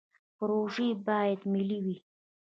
پروژې باید ملي وي